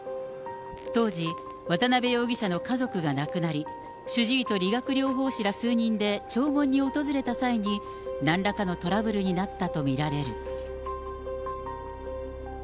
当時、渡辺容疑者の家族が亡くなり、主治医と理学療法士ら数人で弔問に訪れた際に、なんらかのトラブルになったと見られる。